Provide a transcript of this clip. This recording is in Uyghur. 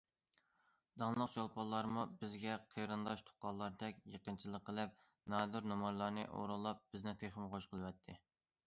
داڭلىق چولپانلارمۇ بىزگە قېرىنداش تۇغقانلاردەك يېقىنچىلىق قىلىپ، نادىر نومۇرلارنى ئورۇنلاپ بىزنى تېخىمۇ خۇش قىلىۋەتتى.